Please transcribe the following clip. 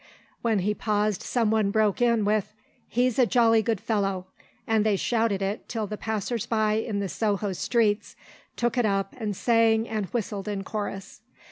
When he paused someone broke in with "He's a jolly good fellow," and they shouted it till the passers by in the Soho streets took it up and sang and whistled in chorus.